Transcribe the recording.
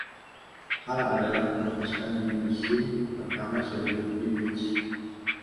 Hal adalah kontestan di musim pertama "Celebrity Duets".